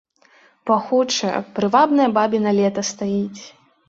Пахучае, прывабнае бабіна лета стаіць.